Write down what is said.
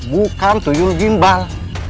bukan tuyul gimbal